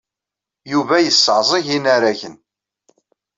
Yuba yesseɛẓeg inaragen.